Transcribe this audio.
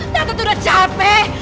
tante tuh udah capek